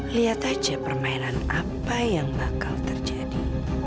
lihat aja permainan apa yang bakal terjadi